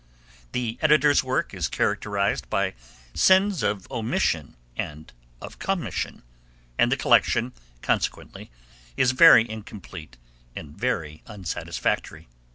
The editor's work is characterised by sins of omission and of commission, and the collection, consequently, is very incomplete and very unsatisfactory.